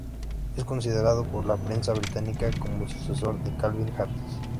Es considerado por la prensa británica como el sucesor de Calvin Harris.